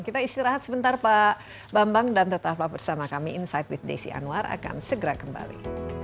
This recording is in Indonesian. kita istirahat sebentar pak bambang dan tetaplah bersama kami insight with desi anwar akan segera kembali